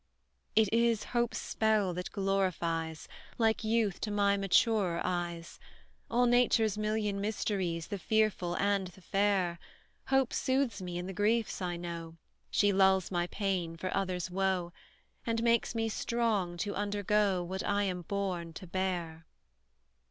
"It is hope's spell that glorifies, Like youth, to my maturer eyes, All Nature's million mysteries, The fearful and the fair Hope soothes me in the griefs I know; She lulls my pain for others' woe, And makes me strong to undergo What I am born to bear.